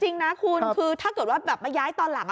จริงนะคุณคือถ้าเกิดว่าแบบมาย้ายตอนหลัง